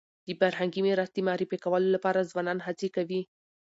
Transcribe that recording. د فرهنګي میراث د معرفي کولو لپاره ځوانان هڅي کوي